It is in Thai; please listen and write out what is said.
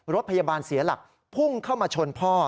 รถพยาบาลเสียหลักพุ่งเข้ามาชนพ่อ